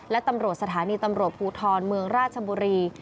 และตำรวจสถานีตำรวจภูทรเมืองราชบุรี